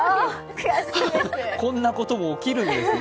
こんなことも起きるんですね。